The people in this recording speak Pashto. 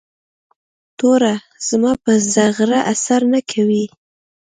توره زما په زغره اثر نه کوي.